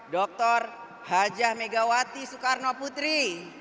dr hajah megawati soekarnoputri